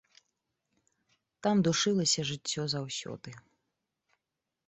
Там душылася жыццё заўсёды.